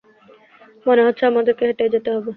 মনে হচ্ছে, আমাদেরকে হেঁটেই যেতে হবে।